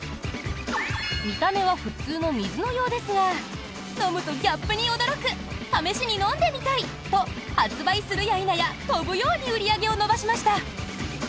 見た目は普通の水のようですが飲むとギャップに驚く試しに飲んでみたいと発売するや否や、飛ぶように売り上げを伸ばしました。